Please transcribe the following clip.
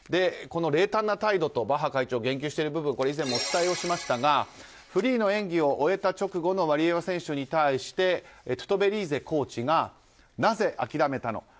この冷淡な態度とバッハ会長が言及している部分以前もお伝えしましたがフリーの演技を終えた直後のワリエワ選手に対してトゥトベリーゼコーチがなぜ諦めたの？